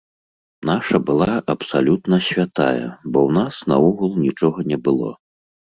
Наша была абсалютна святая, бо ў нас наогул нічога не было.